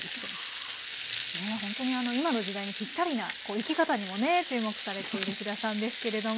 ほんとに今の時代にピッタリな生き方にもね注目されている飛田さんですけれども。